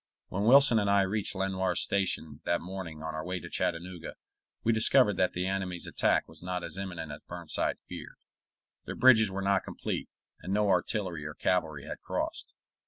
When Wilson and I reached Lenoir's Station that morning on our way to Chattanooga, we discovered that the enemy's attack was not as imminent as Burnside feared. Their bridges were not complete, and no artillery or cavalry had crossed.